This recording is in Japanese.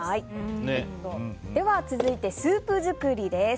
では続いてスープ作りです。